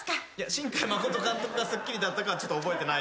新海誠監督がすっきりだったかちょっと覚えてないんですけど。